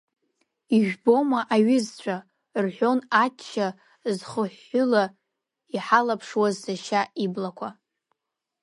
Ижәбома, аҩызцәа, – рҳәон ачча зхыҳәҳәыла иҳалаԥшуаз сашьа иблақәа…